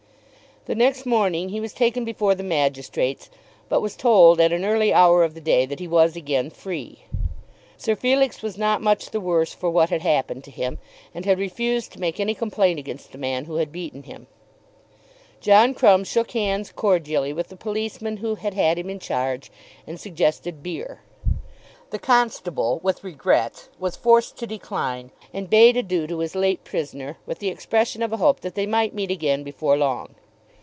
The next morning he was taken before the magistrates, but was told at an early hour of the day that he was again free. Sir Felix was not much the worse for what had happened to him, and had refused to make any complaint against the man who had beaten him. John Crumb shook hands cordially with the policeman who had had him in charge, and suggested beer. The constable, with regrets, was forced to decline, and bade adieu to his late prisoner with the expression of a hope that they might meet again before long.